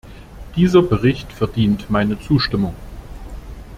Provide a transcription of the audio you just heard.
Dieser Bericht verdient meine Zustimmung.